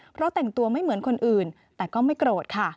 เพราะแต่งตัวไม่เหมือนคนอื่นแต่ก็ไม่โกรธค่ะ